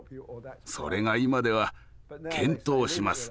それが今では「検討します。